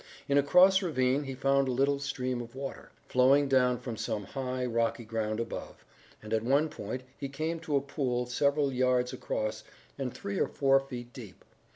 In a cross ravine he found a little stream of water, flowing down from some high, rocky ground above, and, at one point, he came to a pool several yards across and three or four feet deep.